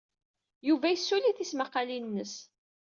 Yuba yessuli tismaqqalin-nnes.